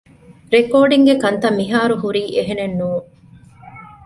ރެކޯޑިންގގެ ކަންތައް މިހާރުހުރީ އެހެނެއްނޫން